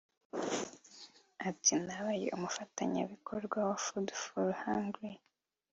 Ati “Nabaye umufatanyibikorwa wa Food For The Hungry